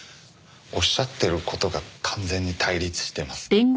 おっしゃってる事が完全に対立してます。